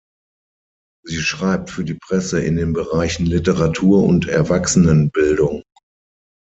Sie schreibt für die Presse in den Bereichen Literatur und Erwachsenenbildung.